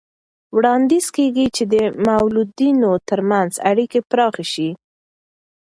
وړاندیز کېږي چې د مؤلدینو ترمنځ اړیکې پراخه شي.